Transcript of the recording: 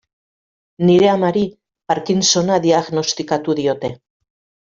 Nire amari Parkinsona diagnostikatu diote.